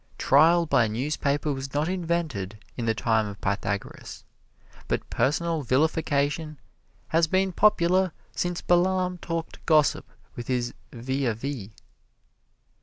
Trial by newspaper was not invented in the time of Pythagoras; but personal vilification has been popular since Balaam talked gossip with his vis a vis.